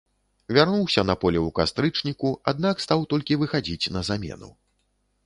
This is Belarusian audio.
Вярнуўся на поле ў кастрычніку, аднак стаў толькі выхадзіць на замену.